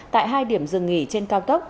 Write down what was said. tại hai điểm dừng nghỉ trên cao tốc